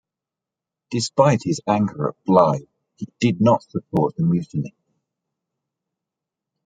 Despite his anger at Bligh, he did not support the mutiny.